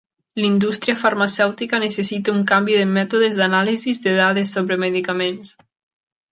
La indústria farmacèutica necessita un canvi de mètodes d'anàlisis de dades sobre medicaments.